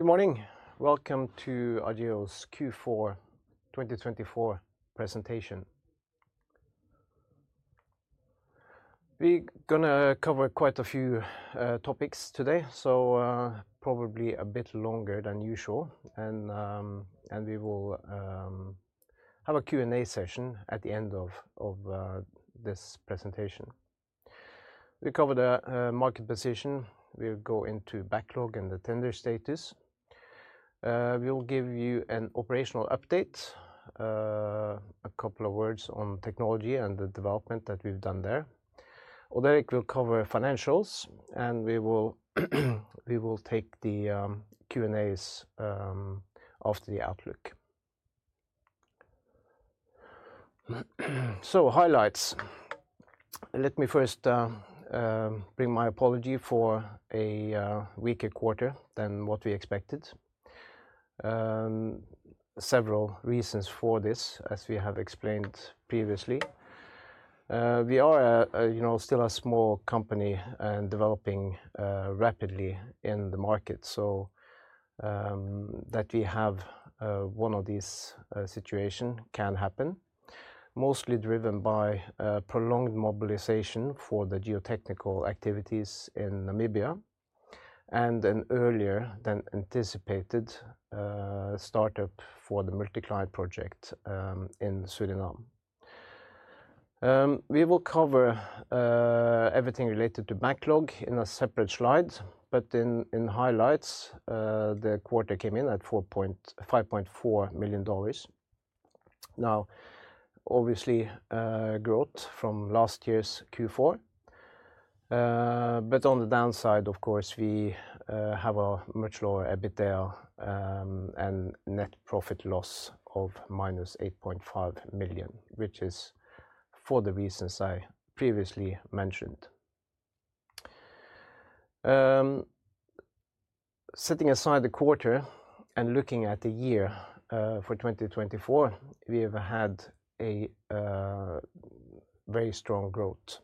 Good morning. Welcome to Argeo's Q4 2024 presentation. We are going to cover quite a few topics today, so probably a bit longer than usual. We will have a Q&A session at the end of this presentation. We cover the market position. We will go into backlog and the tender status. We will give you an operational update, a couple of words on technology and the development that we have done there. Odd Erik will cover financials, and we will take the Q&As after the outlook. Highlights. Let me first bring my apology for a weaker quarter than what we expected. Several reasons for this, as we have explained previously. We are still a small company and developing rapidly in the market, so that we have one of these situations can happen, mostly driven by prolonged mobilization for the geotechnical activities in Namibia and an earlier than anticipated startup for the multi-client project in Suriname. We will cover everything related to backlog in a separate slide, but in highlights, the quarter came in at $5.4 million. Now, obviously, growth from last year's Q4. Of course, we have a much lower EBITDA and net profit loss of minus $8.5 million, which is for the reasons I previously mentioned. Setting aside the quarter and looking at the year for 2024, we have had a very strong growth,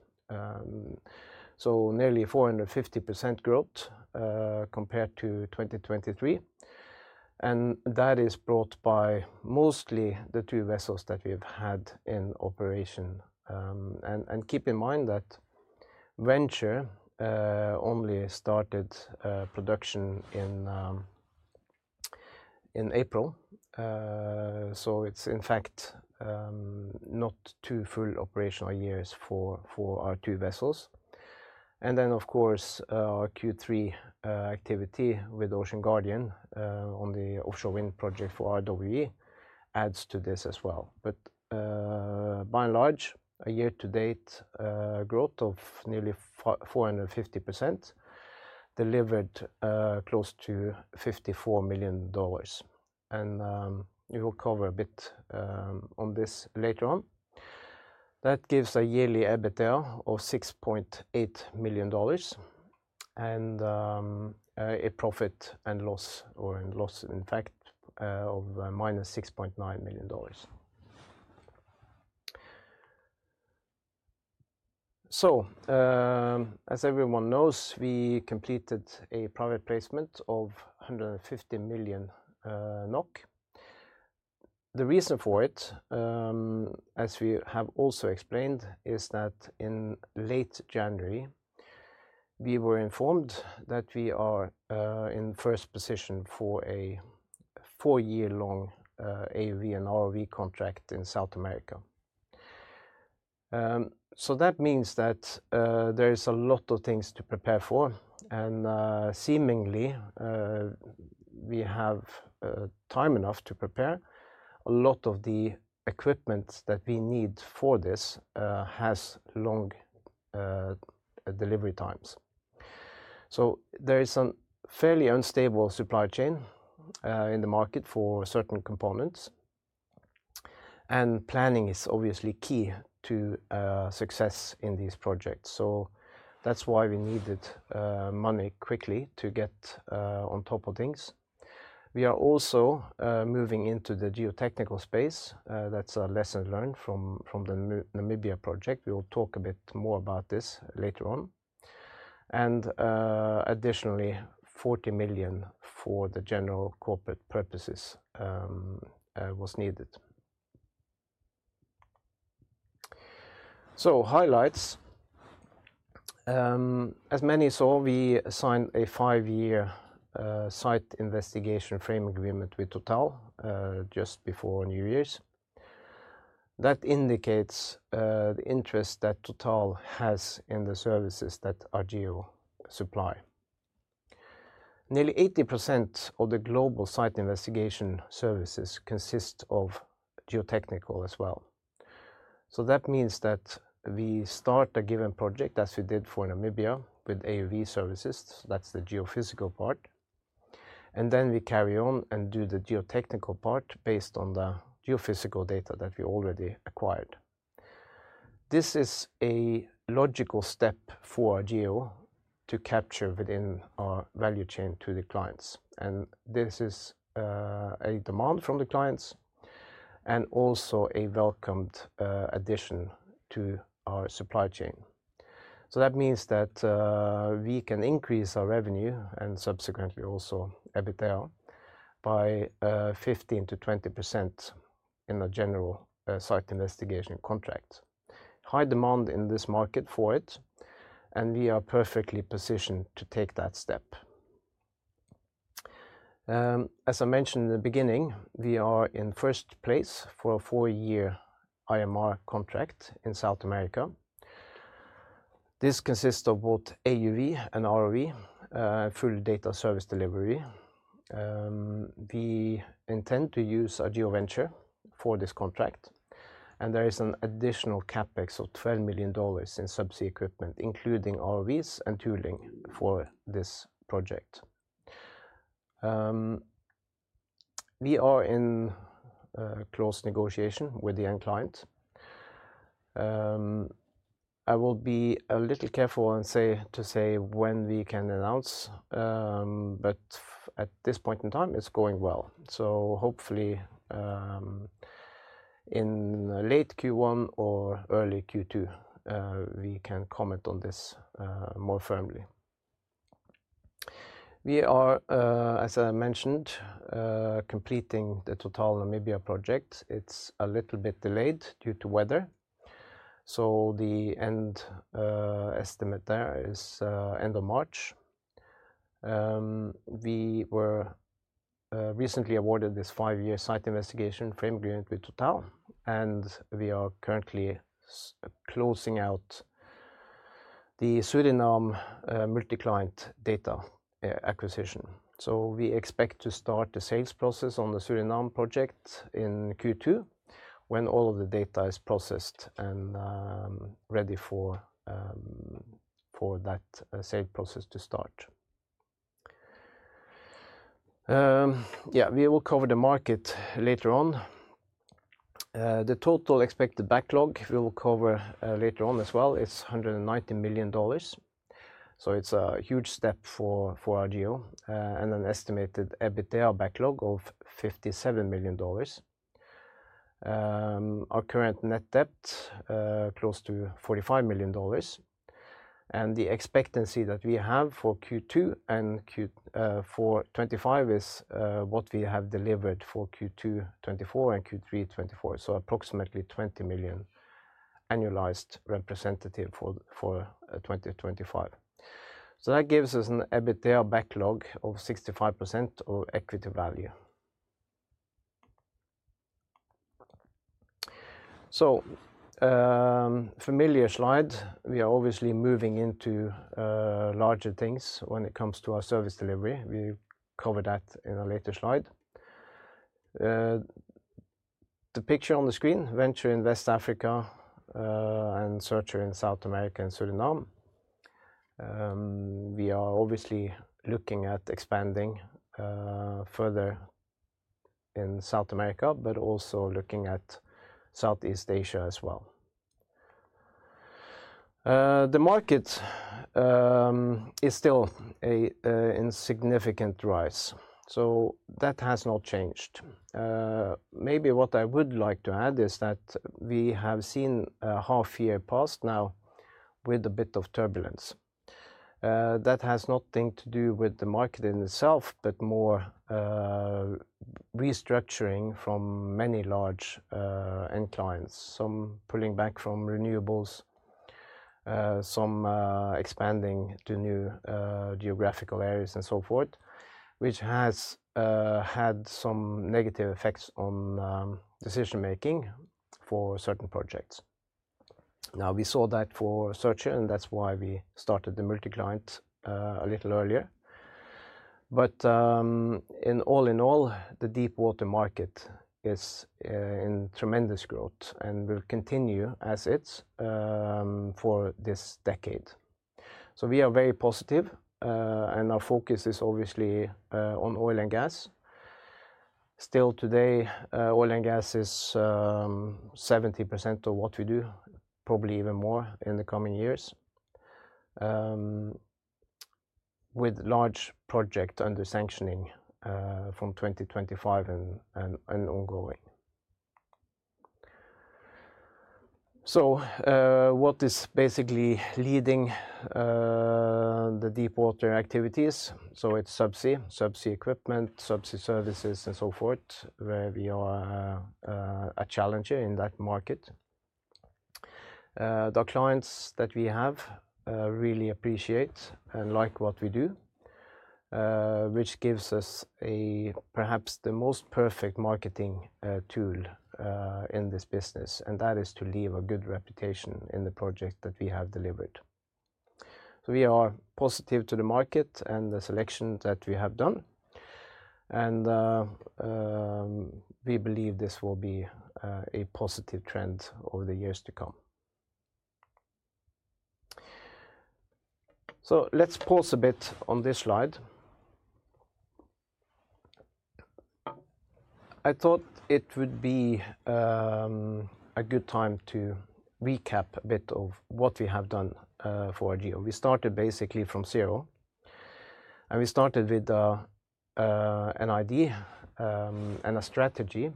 so nearly 450% growth compared to 2023. That is brought by mostly the two vessels that we've had in operation. Keep in mind that Venture only started production in April, so it is in fact not two full operational years for our two vessels. Of course, our Q3 activity with Ocean Guardian on the offshore wind project for RWE adds to this as well. By and large, a year-to-date growth of nearly 450% delivered close to $54 million. We will cover a bit on this later on. That gives a yearly EBITDA of $6.8 million and a profit and loss, or loss in fact, of minus $6.9 million. As everyone knows, we completed a private placement of 150 million NOK. The reason for it, as we have also explained, is that in late January, we were informed that we are in first position for a four-year-long AUV and ROV contract in South America. That means that there is a lot of things to prepare for, and seemingly we have time enough to prepare. A lot of the equipment that we need for this has long delivery times. There is a fairly unstable supply chain in the market for certain components, and planning is obviously key to success in these projects. That is why we needed money quickly to get on top of things. We are also moving into the geotechnical space. That is a lesson learned from the Namibia project. We will talk a bit more about this later on. Additionally, $40 million for the general corporate purposes was needed. Highlights. As many saw, we signed a five-year site investigation frame agreement with TotalEnergies just before New Year's. That indicates the interest that TotalEnergies has in the services that Argeo supply. Nearly 80% of the global site investigation services consist of geotechnical as well. That means that we start a given project, as we did for Namibia, with AUV services. That is the geophysical part. Then we carry on and do the geotechnical part based on the geophysical data that we already acquired. This is a logical step for Argeo to capture within our value chain to the clients. This is a demand from the clients and also a welcomed addition to our supply chain. That means that we can increase our revenue and subsequently also EBITDA by 15%-20% in a general site investigation contract. High demand in this market for it, and we are perfectly positioned to take that step. As I mentioned in the beginning, we are in first place for a four-year IMR contract in South America. This consists of both AUV and ROV, full data service delivery. We intend to use Argeo Venture for this contract, and there is an additional CapEx of $12 million in subsea equipment, including ROVs and tooling for this project. We are in close negotiation with the end client. I will be a little careful to say when we can announce, but at this point in time, it's going well. Hopefully in late Q1 or early Q2, we can comment on this more firmly. We are, as I mentioned, completing the TotalEnergies Namibia project. It's a little bit delayed due to weather. The end estimate there is end of March. We were recently awarded this five-year site investigation frame agreement with TotalEnergies, and we are currently closing out the Suriname multi-client data acquisition. We expect to start the sales process on the Suriname project in Q2 when all of the data is processed and ready for that sale process to start. Yeah, we will cover the market later on. The total expected backlog we will cover later on as well is $190 million. It is a huge step for Argeo and an estimated EBITDA backlog of $57 million. Our current net debt is close to $45 million. The expectancy that we have for Q2 and for 2025 is what we have delivered for Q2 2024 and Q3 2024, so approximately $20 million annualized representative for 2025. That gives us an EBITDA backlog of 65% of equity value. Familiar slide. We are obviously moving into larger things when it comes to our service delivery. We cover that in a later slide. The picture on the screen, Venture in West Africa and Searcher in South America and Suriname. We are obviously looking at expanding further in South America, but also looking at Southeast Asia as well. The market is still in significant rise, so that has not changed. Maybe what I would like to add is that we have seen a half year passed now with a bit of turbulence. That has nothing to do with the market in itself, but more restructuring from many large end clients, some pulling back from renewables, some expanding to new geographical areas and so forth, which has had some negative effects on decision-making for certain projects. Now, we saw that for Searcher, and that's why we started the multi-client a little earlier. All in all, the deep water market is in tremendous growth and will continue as it's for this decade. We are very positive, and our focus is obviously on oil and gas. Still today, oil and gas is 70% of what we do, probably even more in the coming years, with large projects under sanctioning from 2025 and ongoing. What is basically leading the deep water activities? It is subsea, subsea equipment, subsea services, and so forth, where we are a challenger in that market. The clients that we have really appreciate and like what we do, which gives us perhaps the most perfect marketing tool in this business, and that is to leave a good reputation in the project that we have delivered. We are positive to the market and the selection that we have done, and we believe this will be a positive trend over the years to come. Let's pause a bit on this slide. I thought it would be a good time to recap a bit of what we have done for Argeo. We started basically from zero, and we started with an idea and a strategy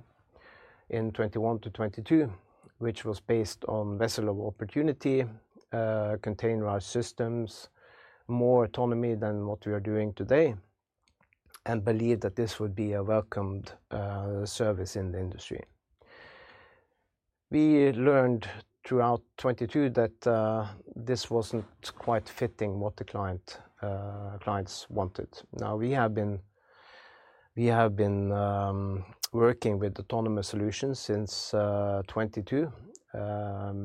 in 2021 to 2022, which was based on vessel of opportunity, containerized systems, more autonomy than what we are doing today, and believed that this would be a welcomed service in the industry. We learned throughout 2022 that this was not quite fitting what the clients wanted. Now, we have been working with autonomous solutions since 2022. I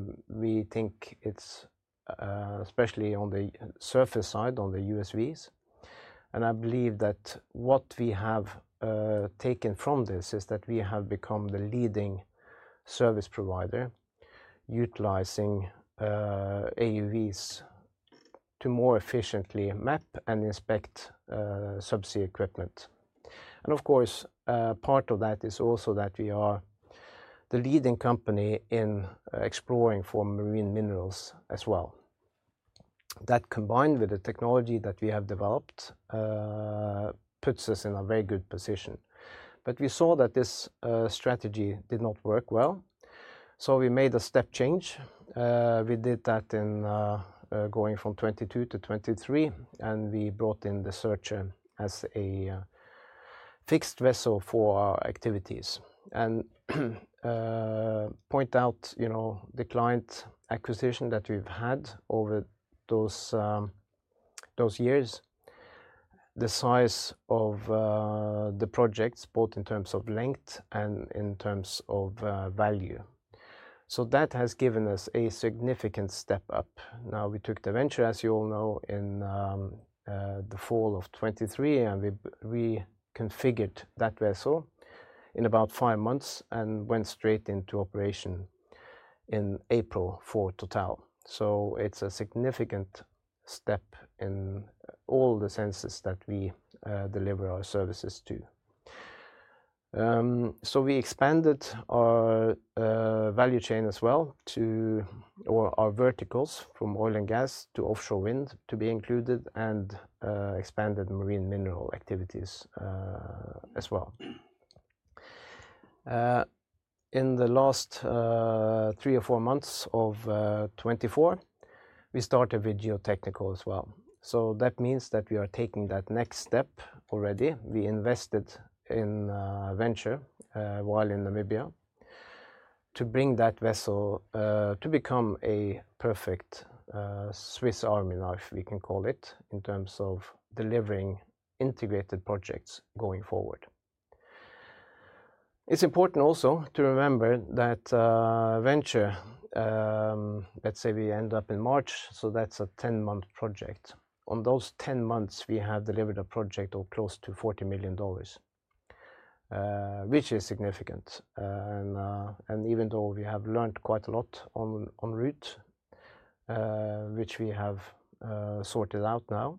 think it is especially on the surface side, on the USVs. I believe that what we have taken from this is that we have become the leading service provider utilizing AUVs to more efficiently map and inspect subsea equipment. Of course, part of that is also that we are the leading company in exploring for marine minerals as well. That combined with the technology that we have developed puts us in a very good position. We saw that this strategy did not work well. We made a step change. We did that in going from 2022 to 2023, and we brought in the Searcher as a fixed vessel for our activities. Point out the client acquisition that we've had over those years, the size of the projects, both in terms of length and in terms of value. That has given us a significant step up. Now, we took the Venture, as you all know, in the fall of 2023, and we reconfigured that vessel in about five months and went straight into operation in April for TotalEnergies. It is a significant step in all the senses that we deliver our services to. We expanded our value chain as well to our verticals from oil and gas to offshore wind to be included and expanded marine mineral activities as well. In the last three or four months of 2024, we started with geotechnical as well. That means that we are taking that next step already. We invested in Venture while in Namibia to bring that vessel to become a perfect Swiss army knife, we can call it, in terms of delivering integrated projects going forward. It's important also to remember that Venture, let's say we end up in March, so that's a 10-month project. On those 10 months, we have delivered a project of close to $40 million, which is significant. Even though we have learned quite a lot on route, which we have sorted out now,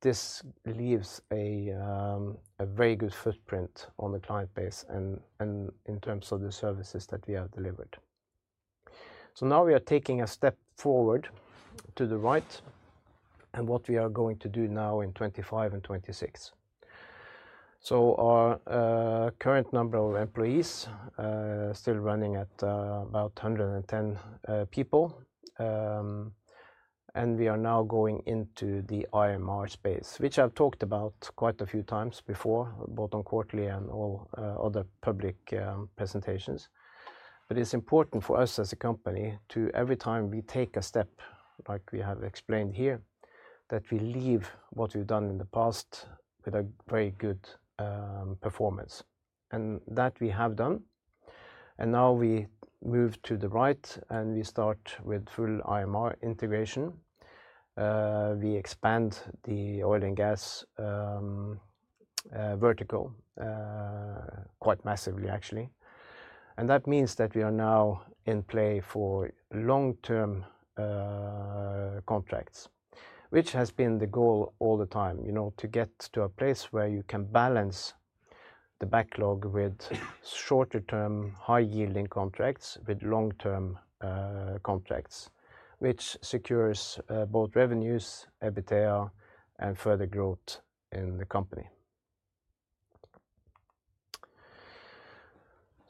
this leaves a very good footprint on the client base and in terms of the services that we have delivered. Now we are taking a step forward to the right and what we are going to do now in 2025 and 2026. Our current number of employees is still running at about 110 people, and we are now going into the IMR space, which I've talked about quite a few times before, both on quarterly and all other public presentations. It is important for us as a company to, every time we take a step, like we have explained here, that we leave what we've done in the past with a very good performance. That we have done. Now we move to the right and we start with full IMR integration. We expand the oil and gas vertical quite massively, actually. That means that we are now in play for long-term contracts, which has been the goal all the time, to get to a place where you can balance the backlog with shorter-term, high-yielding contracts with long-term contracts, which secures both revenues, EBITDA, and further growth in the company.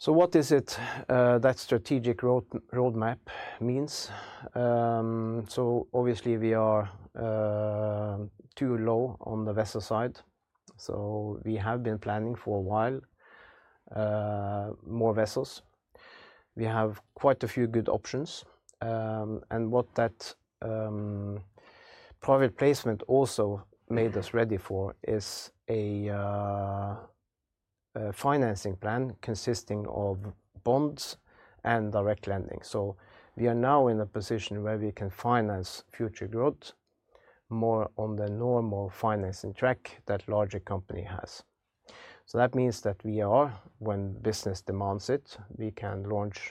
What is it that strategic roadmap means? Obviously, we are too low on the vessel side. We have been planning for a while more vessels. We have quite a few good options. What that private placement also made us ready for is a financing plan consisting of bonds and direct lending. We are now in a position where we can finance future growth more on the normal financing track that a larger company has. That means that we are, when business demands it, able to launch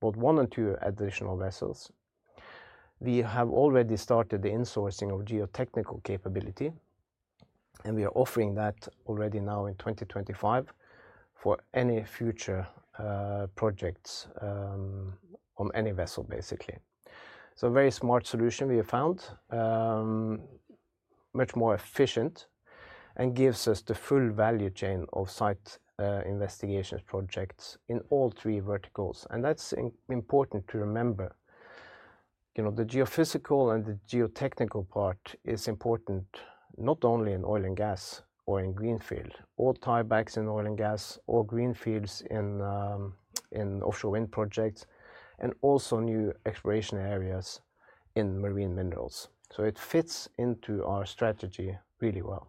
both one and two additional vessels. We have already started the insourcing of geotechnical capability, and we are offering that already now in 2025 for any future projects on any vessel, basically. A very smart solution we have found, much more efficient, and gives us the full value chain of site investigations projects in all three verticals. That is important to remember. The geophysical and the geotechnical part is important not only in oil and gas or in greenfield, or tiebacks in oil and gas, or greenfields in offshore wind projects, and also new exploration areas in marine minerals. It fits into our strategy really well.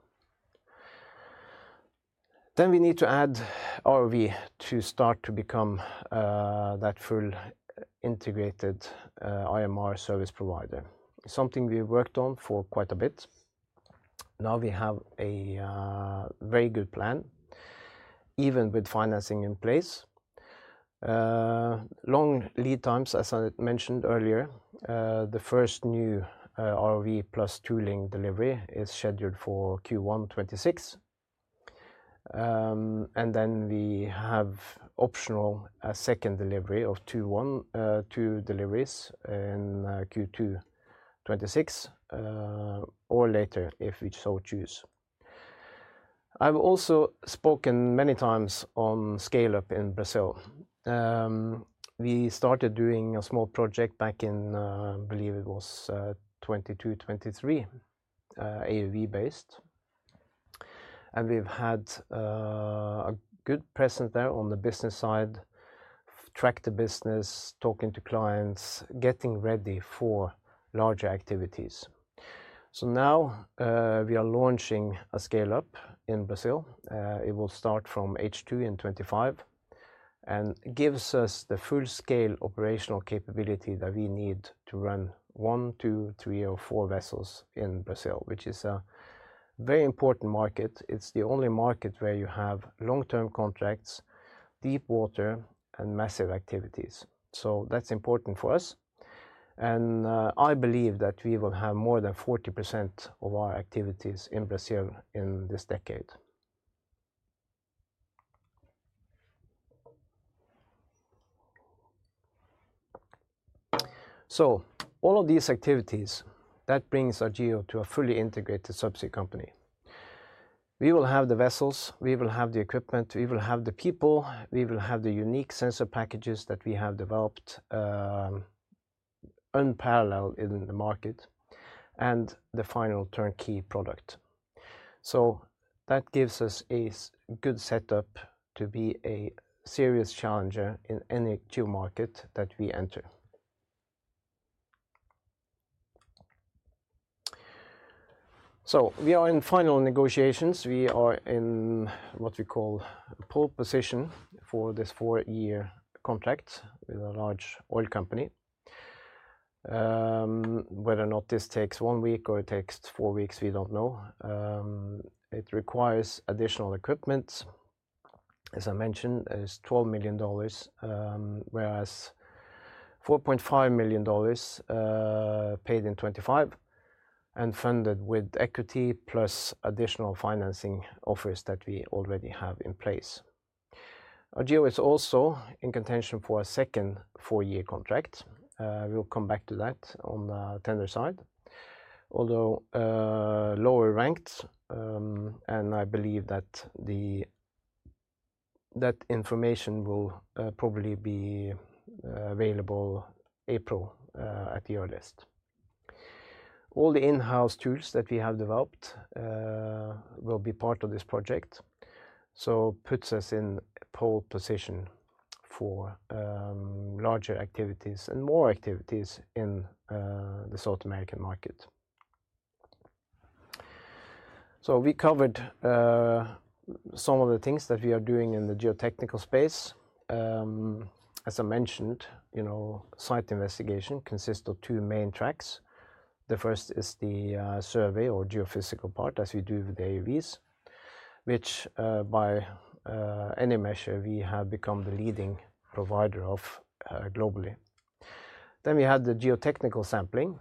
We need to add ROV to start to become that full integrated IMR service provider, something we've worked on for quite a bit. Now we have a very good plan, even with financing in place. Long lead times, as I mentioned earlier, the first new ROV plus tooling delivery is scheduled for Q1 2026. We have optional a second delivery of two deliveries in Q2 2026 or later if we so choose. I've also spoken many times on scale-up in Brazil. We started doing a small project back in, I believe it was 2022, 2023, AUV-based. We've had a good presence there on the business side, track the business, talking to clients, getting ready for larger activities. Now we are launching a scale-up in Brazil. It will start from H2 in 2025 and gives us the full-scale operational capability that we need to run one, two, three, or four vessels in Brazil, which is a very important market. It is the only market where you have long-term contracts, deep water, and massive activities. That is important for us. I believe that we will have more than 40% of our activities in Brazil in this decade. All of these activities bring Argeo to a fully integrated subsea company. We will have the vessels, we will have the equipment, we will have the people, we will have the unique sensor packages that we have developed unparalleled in the market, and the final turnkey product. That gives us a good setup to be a serious challenger in any new market that we enter. We are in final negotiations. We are in what we call a pole position for this four-year contract with a large oil company. Whether or not this takes one week or it takes four weeks, we do not know. It requires additional equipment. As I mentioned, it is $12 million, with $4.5 million paid in 2025 and funded with equity plus additional financing offers that we already have in place. Argeo is also in contention for a second four-year contract. We will come back to that on the tender side, although lower ranked. I believe that that information will probably be available in April at the earliest. All the in-house tools that we have developed will be part of this project, so it puts us in pole position for larger activities and more activities in the South American market. We covered some of the things that we are doing in the geotechnical space. As I mentioned, site investigation consists of two main tracks. The first is the survey or geophysical part, as we do with the AUVs, which by any measure, we have become the leading provider of globally. Then we had the geotechnical sampling,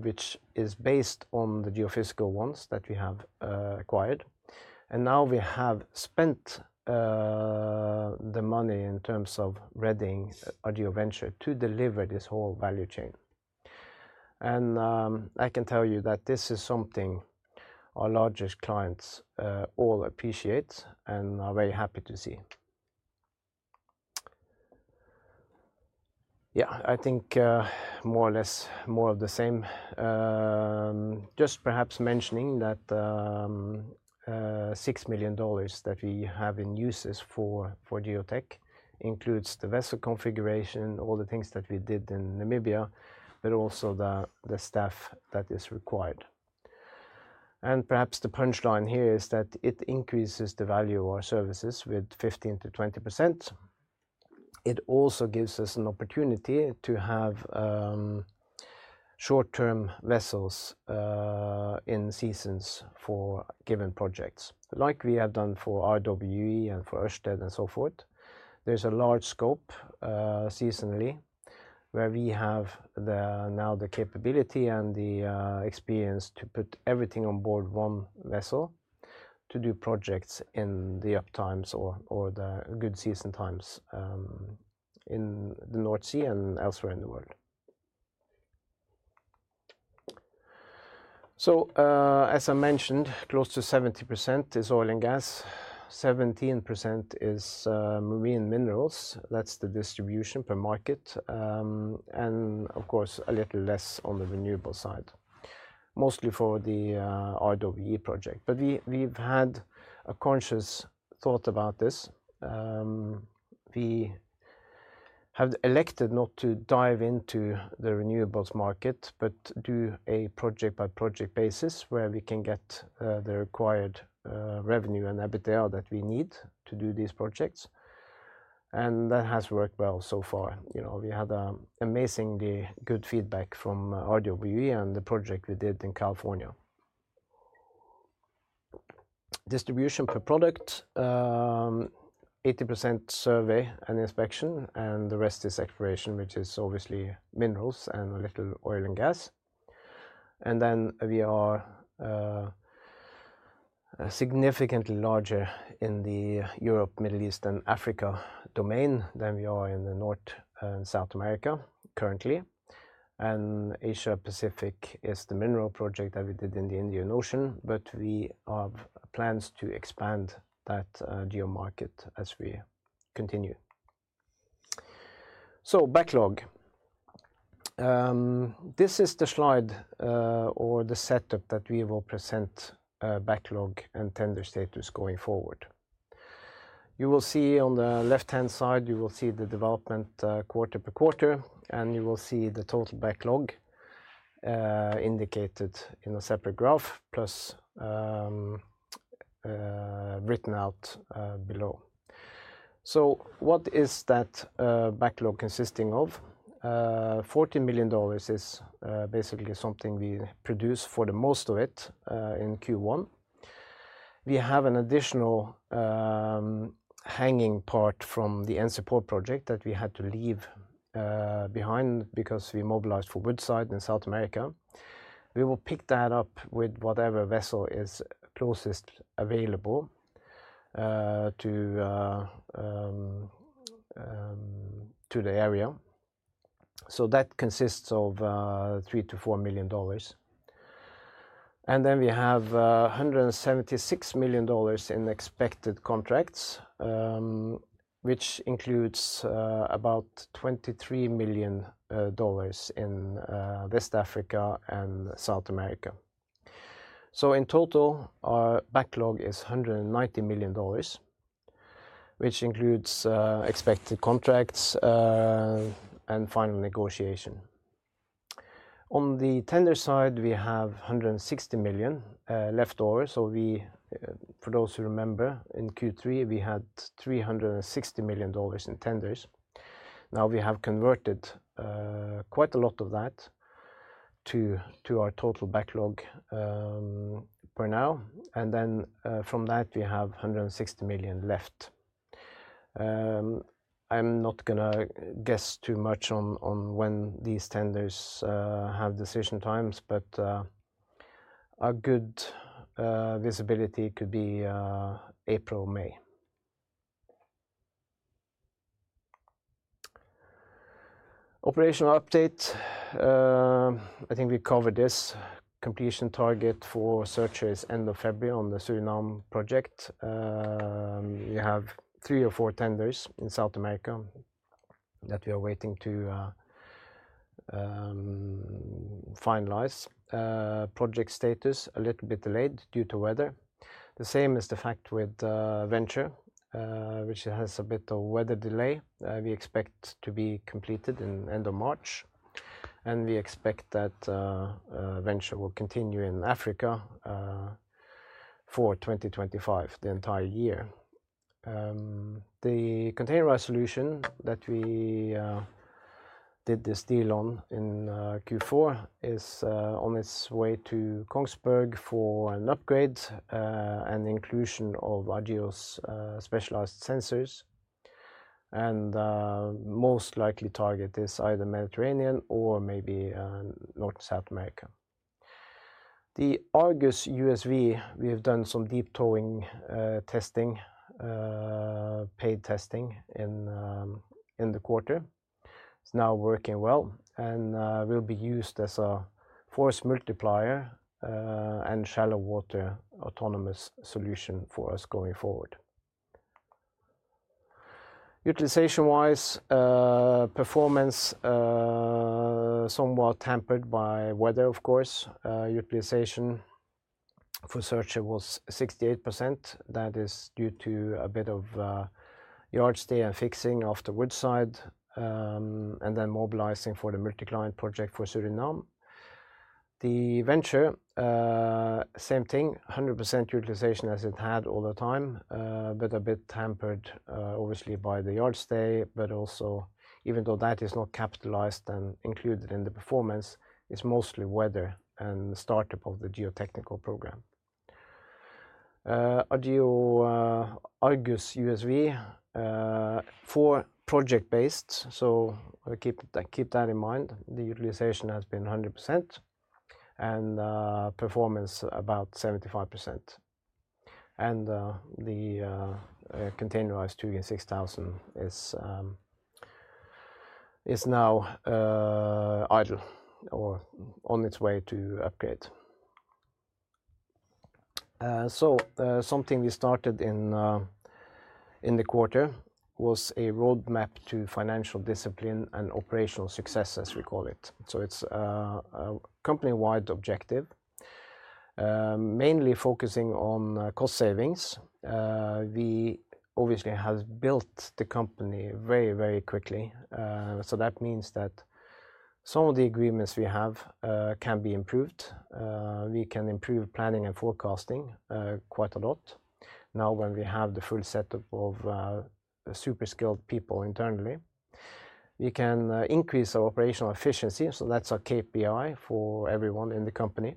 which is based on the geophysical ones that we have acquired. Now we have spent the money in terms of readying Argeo Venture to deliver this whole value chain. I can tell you that this is something our largest clients all appreciate and are very happy to see. Yeah, I think more or less more of the same. Just perhaps mentioning that $6 million that we have in uses for geotech includes the vessel configuration, all the things that we did in Namibia, but also the staff that is required. Perhaps the punchline here is that it increases the value of our services with 15%-20%. It also gives us an opportunity to have short-term vessels in seasons for given projects, like we have done for RWE and for Ørsted and so forth. There is a large scope seasonally where we have now the capability and the experience to put everything on board one vessel to do projects in the uptimes or the good season times in the North Sea and elsewhere in the world. As I mentioned, close to 70% is oil and gas, 17% is marine minerals. That is the distribution per market. Of course, a little less on the renewable side, mostly for the RWE project. We have had a conscious thought about this. We have elected not to dive into the renewables market, but do a project-by-project basis where we can get the required revenue and EBITDA that we need to do these projects. That has worked well so far. We had amazingly good feedback from RWE and the project we did in California. Distribution per product, 80% survey and inspection, and the rest is exploration, which is obviously minerals and a little oil and gas. We are significantly larger in the Europe, Middle East, and Africa domain than we are in the North and South America currently. Asia-Pacific is the mineral project that we did in the Indian Ocean, but we have plans to expand that geo market as we continue. Backlog. This is the slide or the setup that we will present backlog and tender status going forward. You will see on the left-hand side, you will see the development quarter by quarter, and you will see the total backlog indicated in a separate graph plus written out below. What is that backlog consisting of? $40 million is basically something we produce for the most of it in Q1. We have an additional hanging part from the NCPOR project that we had to leave behind because we mobilized for Woodside in South America. We will pick that up with whatever vessel is closest available to the area. That consists of $3 million-$4 million. We have $176 million in expected contracts, which includes about $23 million in West Africa and South America. In total, our backlog is $190 million, which includes expected contracts and final negotiation. On the tender side, we have $160 million left over. For those who remember, in Q3, we had $360 million in tenders. Now we have converted quite a lot of that to our total backlog per now. From that, we have $160 million left. I'm not going to guess too much on when these tenders have decision times, but a good visibility could be April, May. Operational update. I think we covered this. Completion target for searches end of February on the Suriname project. We have three or four tenders in South America that we are waiting to finalize. Project status a little bit delayed due to weather. The same is the fact with Venture, which has a bit of weather delay. We expect to be completed in the end of March. We expect that Venture will continue in Africa for 2025, the entire year. The container resolution that we did this deal on in Q4 is on its way to Kongsberg for an upgrade and inclusion of Argeo's specialized sensors. Most likely target is either Mediterranean or maybe North and South America. The Argus USV, we have done some deep towing testing, paid testing in the quarter. It's now working well and will be used as a force multiplier and shallow water autonomous solution for us going forward. Utilization-wise, performance somewhat hampered by weather, of course. Utilization for Searcher was 68%. That is due to a bit of yard stay and fixing off the Woodside and then mobilizing for the multi-client project for Suriname. The Venture, same thing, 100% utilization as it had all the time, but a bit hampered obviously by the yard stay. Also, even though that is not capitalized and included in the performance, it's mostly weather and the startup of the geotechnical program. Argus USV, for project-based, so keep that in mind. The utilization has been 100% and performance about 75%. The containerized Hugin 6,000 is now idle or on its way to upgrade. Something we started in the quarter was a roadmap to financial discipline and operational success, as we call it. It's a company-wide objective, mainly focusing on cost savings. We obviously have built the company very, very quickly. That means that some of the agreements we have can be improved. We can improve planning and forecasting quite a lot. Now, when we have the full setup of super skilled people internally, we can increase our operational efficiency. That's our KPI for everyone in the company,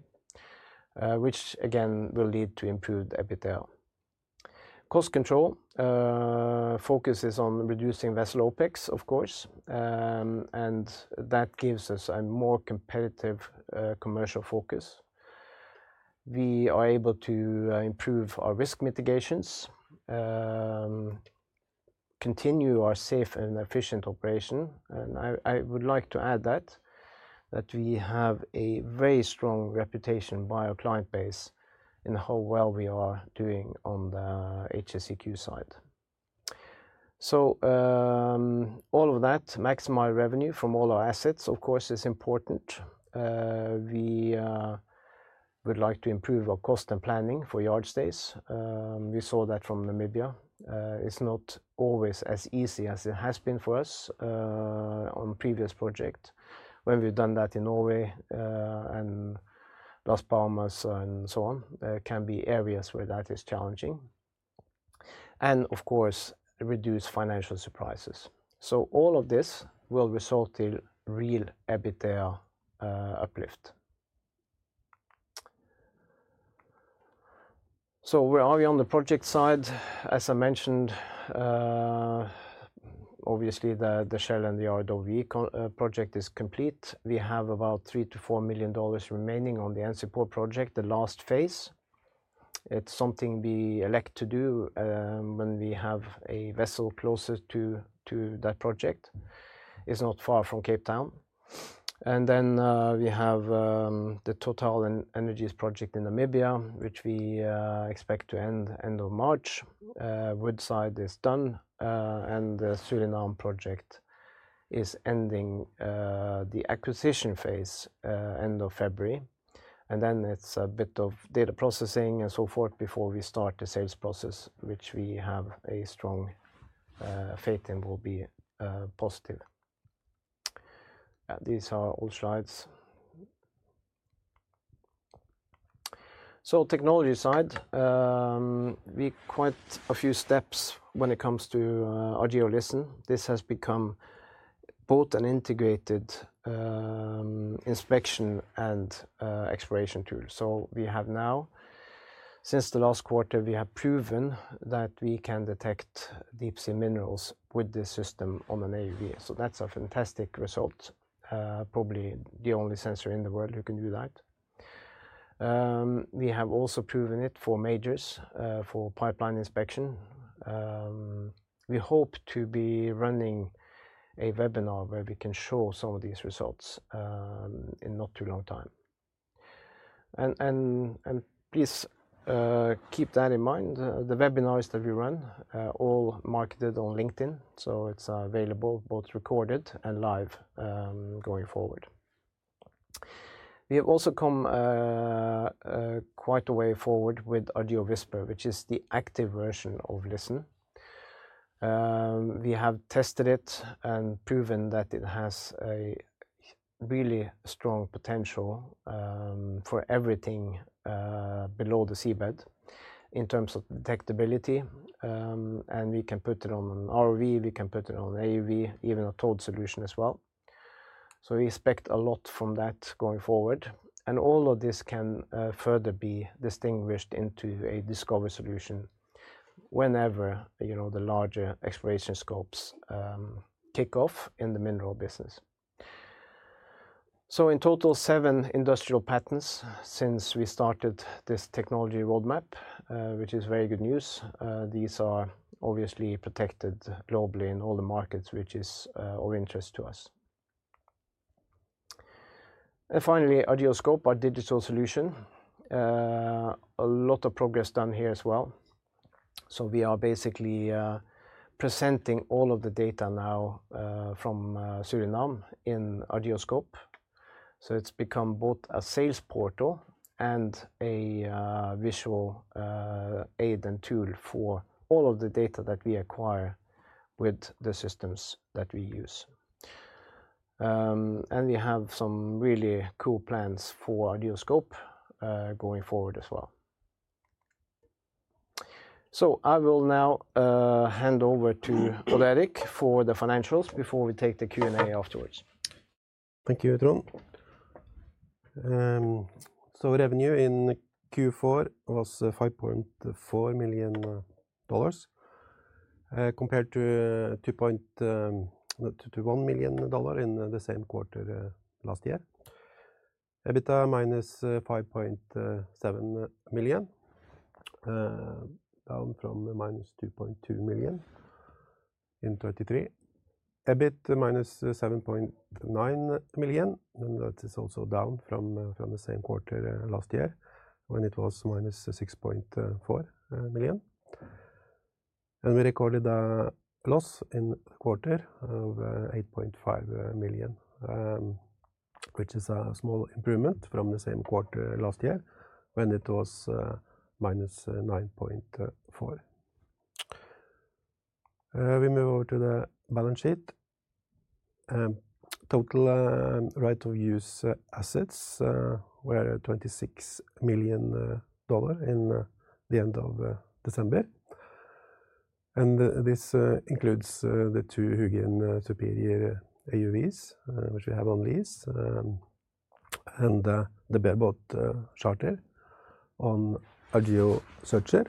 which again will lead to improved EBITDA. Cost control focuses on reducing vessel OpEx, of course. That gives us a more competitive commercial focus. We are able to improve our risk mitigations, continue our safe and efficient operation. I would like to add that we have a very strong reputation by our client base in how well we are doing on the HSEQ side. All of that, maximize revenue from all our assets, of course, is important. We would like to improve our cost and planning for yard stays. We saw that from Namibia. It's not always as easy as it has been for us on previous projects. When we've done that in Norway and Las Palmas and so on, there can be areas where that is challenging. Of course, reduce financial surprises. All of this will result in real EBITDA uplift. Where are we on the project side? As I mentioned, obviously, the Shell and the RWE project is complete. We have about $3 million-$4 million remaining on the NCPOR project, the last phase. It's something we elect to do when we have a vessel closer to that project. It's not far from Cape Town. We have the TotalEnergies project in Namibia, which we expect to end end of March. Woodside is done. The Suriname project is ending the acquisition phase end of February. It's a bit of data processing and so forth before we start the sales process, which we have a strong faith in will be positive. These are all slides. Technology side, we quite a few steps when it comes to Argeo LISTEN. This has become both an integrated inspection and exploration tool. We have now, since the last quarter, proven that we can detect deep-sea minerals with this system on an AUV. That is a fantastic result. Probably the only sensor in the world that can do that. We have also proven it for majors, for pipeline inspection. We hope to be running a webinar where we can show some of these results in not too long time. Please keep that in mind. The webinars that we run are all marketed on LinkedIn. It is available both recorded and live going forward. We have also come quite a way forward with Argeo WHISPER, which is the active version of LISTEN. We have tested it and proven that it has a really strong potential for everything below the seabed in terms of detectability. We can put it on an RWE. We can put it on an AUV, even a towed solution as well. We expect a lot from that going forward. All of this can further be distinguished into a discovery solution whenever the larger exploration scopes kick off in the mineral business. In total, seven industrial patents since we started this technology roadmap, which is very good news. These are obviously protected globally in all the markets, which is of interest to us. Finally, Argeo SCOPE, our digital solution. A lot of progress done here as well. We are basically presenting all of the data now from Suriname in Argeo SCOPE. It has become both a sales portal and a visual aid and tool for all of the data that we acquire with the systems that we use. We have some really cool plans for Argeo SCOPE going forward as well. I will now hand over to Odd Erik for the financials before we take the Q&A afterwards. Thank you, Trond. Revenue in Q4 was $5.4 million compared to $2.21 million in the same quarter last year. EBITDA minus $5.7 million. Down from minus $2.2 million in 2023. EBIT minus $7.9 million. That is also down from the same quarter last year, when it was minus $6.4 million. We recorded a loss in quarter of $8.5 million, which is a small improvement from the same quarter last year, when it was minus $9.4 million. We move over to the balance sheet. Total right of use assets were $26 million in the end of December. This includes the two Hugin Superior AUVs, which we have on lease, the bareboat charter on Argeo Searcher,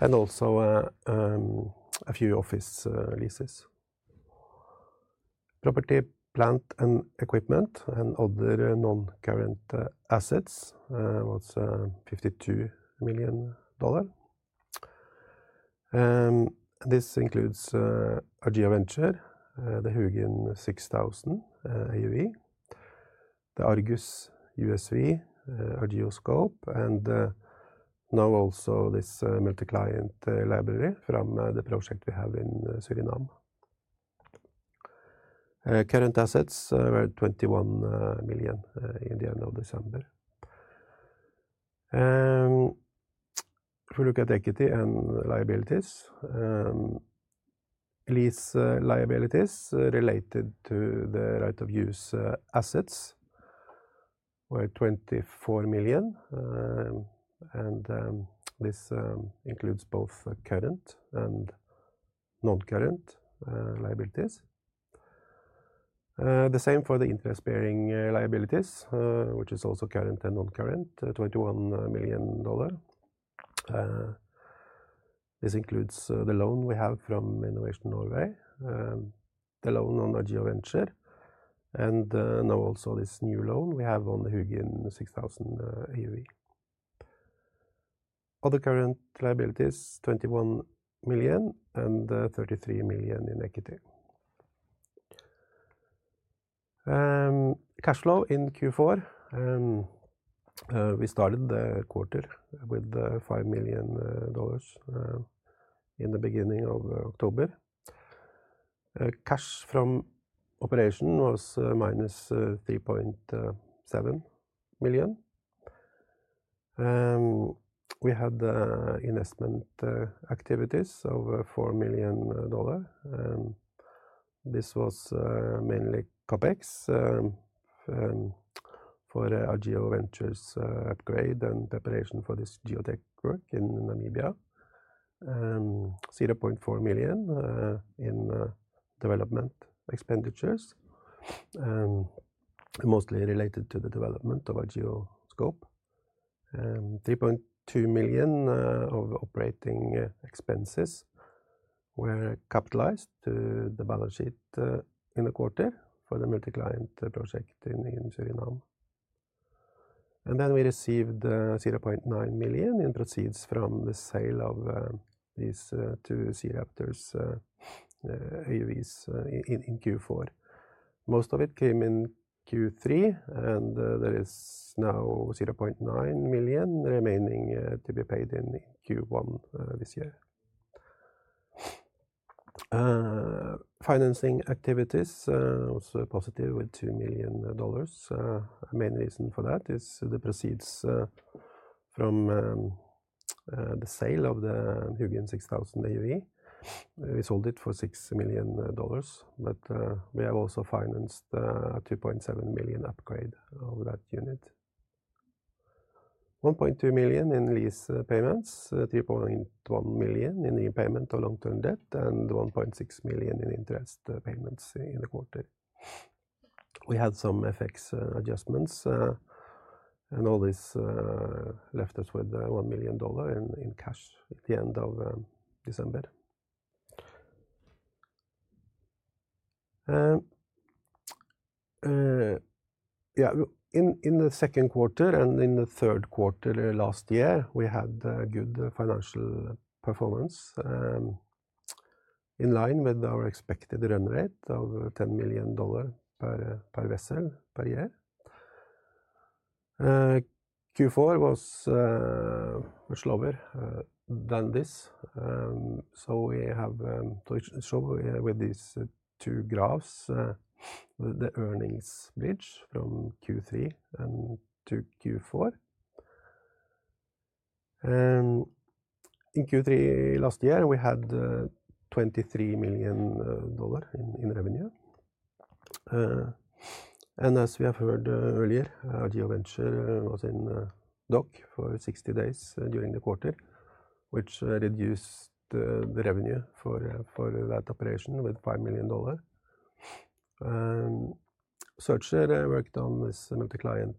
and also a few office leases. Property, plant and equipment, and other non-current assets was $52 million. This includes Argeo Venture, the Hugin 6000 AUV, the Argus USV, Argeo SCOPE, and now also this multi-client library from the project we have in Suriname. Current assets were $21 million in the end of December. For look at equity and liabilities. Lease liabilities related to the right of use assets were $24 million. This includes both current and non-current liabilities. The same for the interest-bearing liabilities, which is also current and non-current, $21 million. This includes the loan we have from Innovation Norway, the loan on Argeo Venture, and now also this new loan we have on the Hugin 6000 AUV. Other current liabilities, $21 million and $33 million in equity. Cash flow in Q4. We started the quarter with $5 million in the beginning of October. Cash from operation was minus $3.7 million. We had investment activities of $4 million. This was mainly CapEx for Argeo Venture's upgrade and preparation for this geotechnical work in Namibia. $0.4 million in development expenditures, mostly related to the development of Argeo SCOPE. $3.2 million of operating expenses were capitalized to the balance sheet in the quarter for the multi-client project in Suriname. We received $0.9 million in proceeds from the sale of these two SeaRaptors AUVs in Q4. Most of it came in Q3, and there is now $0.9 million remaining to be paid in Q1 this year. Financing activities was positive with $2 million. The main reason for that is the proceeds from the sale of the Hugin 6000 AUV. We sold it for $6 million, but we have also financed a $2.7 million upgrade of that unit. $1.2 million in lease payments, $3.1 million in repayment of long-term debt, and $1.6 million in interest payments in the quarter. We had some FX adjustments, and all this left us with $1 million in cash at the end of December. Yeah, in the second quarter and in the third quarter last year, we had good financial performance in line with our expected run rate of $10 million per vessel per year. Q4 was much lower than this. We have to show with these two graphs the earnings bridge from Q3 and Q4. In Q3 last year, we had $23 million in revenue. As we have heard earlier, Argeo Venture was in dock for 60 days during the quarter, which reduced the revenue for that operation with $5 million. Searcher worked on this multi-client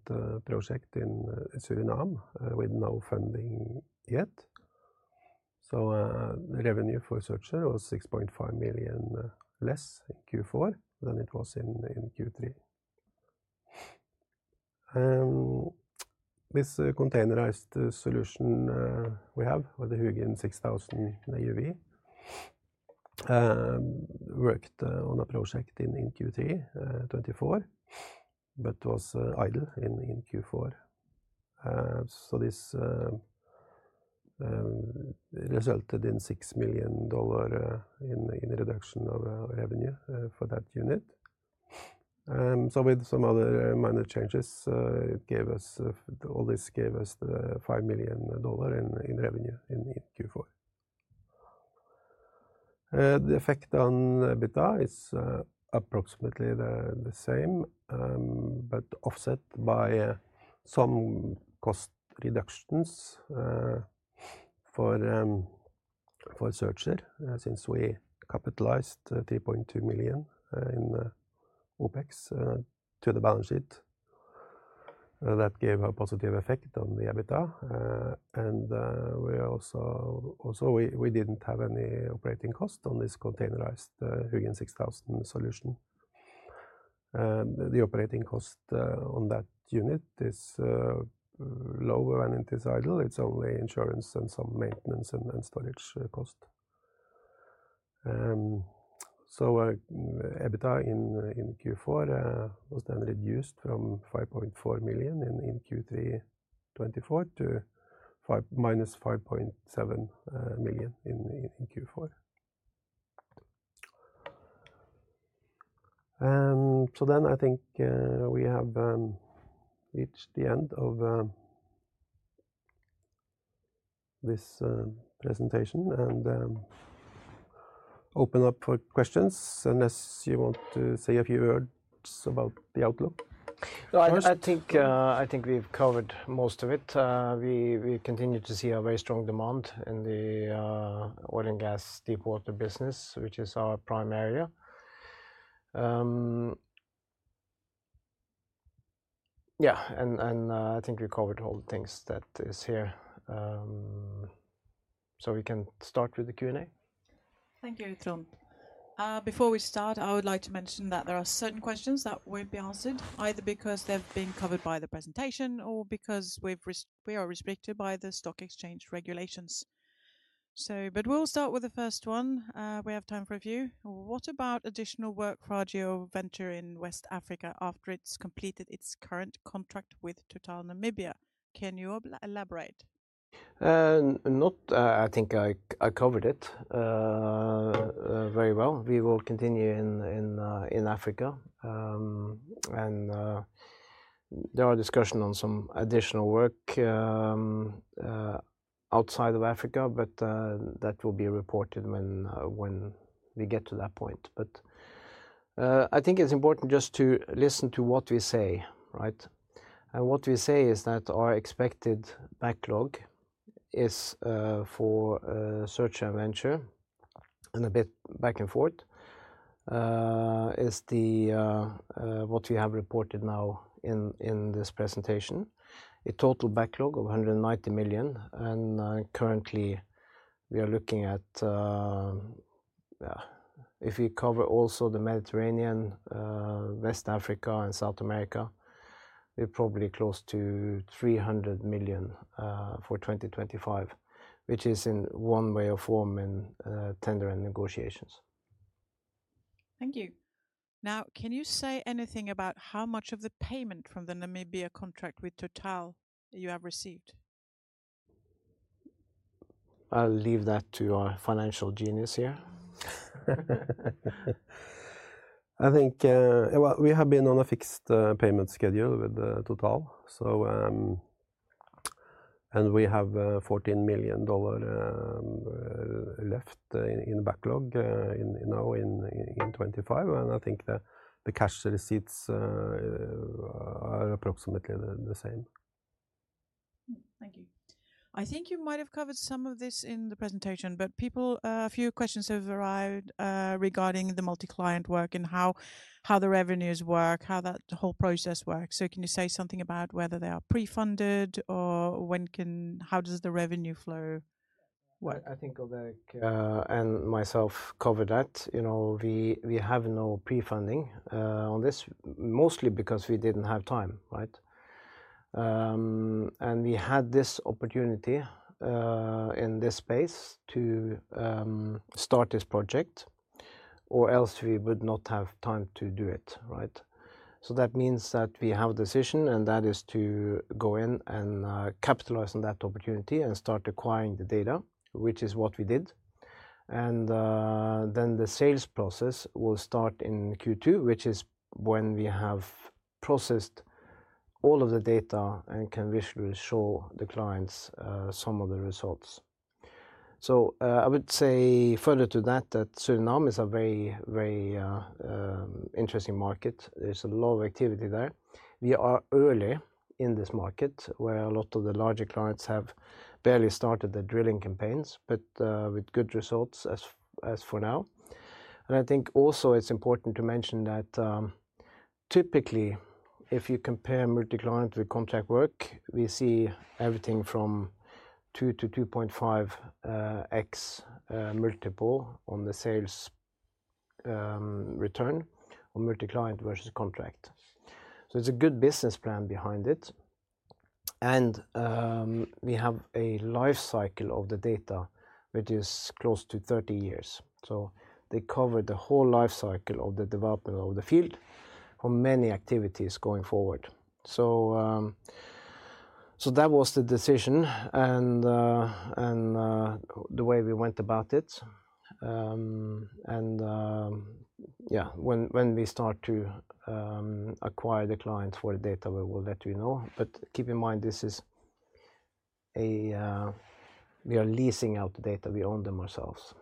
project in Suriname with no funding yet. The revenue for Searcher was $6.5 million less in Q4 than it was in Q3. This containerized solution we have with the Hugin 6000 AUV worked on a project in Q3 2024, but was idle in Q4. This resulted in $6 million in reduction of revenue for that unit. With some other minor changes, all this gave us $5 million in revenue in Q4. The effect on EBITDA is approximately the same, but offset by some cost reductions for Searcher since we capitalized $3.2 million in OpEx to the balance sheet. That gave a positive effect on the EBITDA. We also did not have any operating cost on this containerized Hugin 6000 solution. The operating cost on that unit is lower when it is idle. It is only insurance and some maintenance and storage cost. EBITDA in Q4 was then reduced from $5.4 million in Q3 2024 to minus $5.7 million in Q4. I think we have reached the end of this presentation and open up for questions unless you want to say a few words about the outlook. I think we've covered most of it. We continue to see a very strong demand in the oil and gas deep water business, which is our prime area. Yeah, and I think we covered all the things that are here. We can start with the Q&A. Thank you, Trond. Before we start, I would like to mention that there are certain questions that won't be answered, either because they've been covered by the presentation or because we are restricted by the stock exchange regulations. We'll start with the first one. We have time for a few. What about additional work for Argeo Venture in West Africa after it's completed its current contract with TotalEnergies Namibia? Can you elaborate? Not, I think I covered it very well. We will continue in Africa. There are discussions on some additional work outside of Africa, but that will be reported when we get to that point. I think it's important just to listen to what we say, right? What we say is that our expected backlog for Searcher Venture and a bit back and forth is what we have reported now in this presentation. A total backlog of $190 million. Currently, we are looking at, if we cover also the Mediterranean, West Africa, and South America, we're probably close to $300 million for 2025, which is in one way or form in tender and negotiations. Thank you. Now, can you say anything about how much of the payment from the Namibia contract with TotalEnergies you have received? I'll leave that to our financial genius here. I think we have been on a fixed payment schedule with TotalEnergies. We have $14 million left in backlog now in 2025. I think the cash receipts are approximately the same. Thank you. I think you might have covered some of this in the presentation, but a few questions have arrived regarding the multi-client work and how the revenues work, how that whole process works. Can you say something about whether they are pre-funded or how does the revenue flow work? I think Odd Erik and myself covered that. We have no pre-funding on this, mostly because we did not have time, right? We had this opportunity in this space to start this project, or else we would not have time to do it, right? That means that we have a decision, and that is to go in and capitalize on that opportunity and start acquiring the data, which is what we did. The sales process will start in Q2, which is when we have processed all of the data and can visually show the clients some of the results. I would say further to that that Suriname is a very, very interesting market. There is a lot of activity there. We are early in this market where a lot of the larger clients have barely started the drilling campaigns, but with good results as for now. I think also it's important to mention that typically, if you compare multi-client with contract work, we see everything from 2-2.5x multiple on the sales return on multi-client versus contract. It's a good business plan behind it. We have a life cycle of the data, which is close to 30 years. They cover the whole life cycle of the development of the field for many activities going forward. That was the decision and the way we went about it. Yeah, when we start to acquire the clients for the data, we will let you know. Keep in mind, we are leasing out the data. We own them ourselves.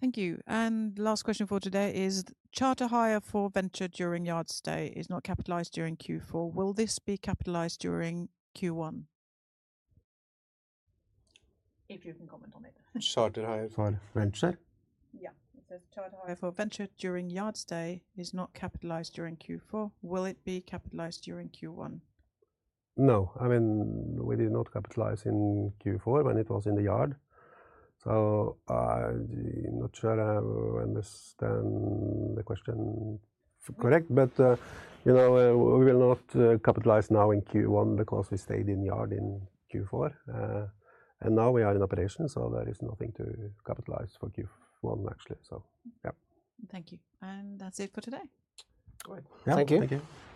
Thank you. Last question for today is charter hire for Venture during yard stay is not capitalized during Q4. Will this be capitalized during Q1? If you can comment on it. Charter hire for Venture? Yeah. It says charter hire for Venture during yard stay is not capitalized during Q4. Will it be capitalized during Q1? No. I mean, we did not capitalize in Q4 when it was in the yard. I am not sure I understand the question correct, but we will not capitalize now in Q1 because we stayed in yard in Q4. Now we are in operation, so there is nothing to capitalize for Q1, actually. Yeah. Thank you. That is it for today. Great. Thank you. Thank you.